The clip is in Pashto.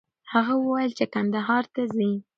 هغه وویل چې کندهار ته ځي.